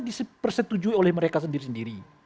dipersetujui oleh mereka sendiri sendiri